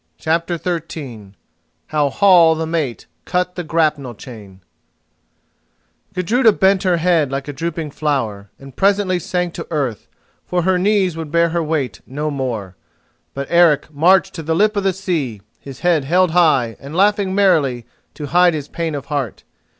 CHAPTER XIII HOW HALL THE MATE CUT THE GRAPNEL CHAIN Gudruda bent her head like a drooping flower, and presently sank to earth, for her knees would bear her weight no more; but Eric marched to the lip of the sea, his head held high and laughing merrily to hide his pain of heart.